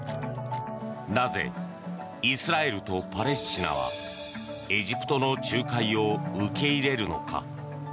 なぜイスラエルとパレスチナはエジプトの仲介を受け入れるのか。